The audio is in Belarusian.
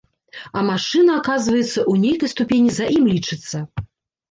А машына, аказваецца, у нейкай ступені за ім лічыцца.